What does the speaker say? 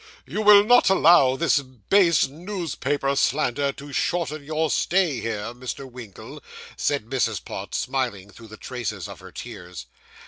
'You will not allow this base newspaper slander to shorten your stay here, Mr. Winkle?' said Mrs. Pott, smiling through the traces of her tears.